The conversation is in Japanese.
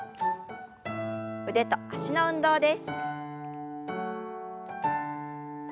腕と脚の運動です。